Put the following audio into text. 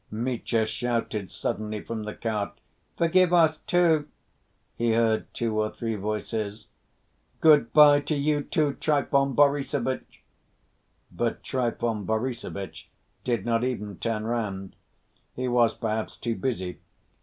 Mitya shouted suddenly from the cart. "Forgive us too!" he heard two or three voices. "Good‐by to you, too, Trifon Borissovitch!" But Trifon Borissovitch did not even turn round. He was, perhaps, too busy.